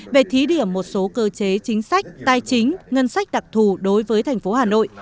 về thí điểm một số cơ chế chính sách tài chính ngân sách đặc thù đối với thành phố hà nội